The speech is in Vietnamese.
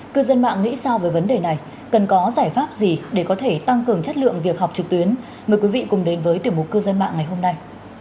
cư dân mạng nghĩ sao về vấn đề này cần có giải pháp gì để có thể tăng cường chất lượng việc học trực tuyến mời quý vị cùng đến với tiểu mục cư dân mạng ngày hôm nay